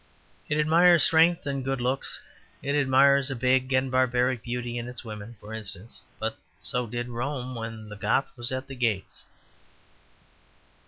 It admires strength and good looks; it admires a big and barbaric beauty in its women, for instance; but so did Rome when the Goth was at the gates.